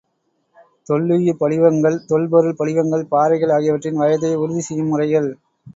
தொல்லுயிர்ப்படிவங்கள், தொல்பொருள் படிவங்கள், பாறைகள் ஆகியவற்றின் வயதை உறுதி செய்யும் முறைகள்.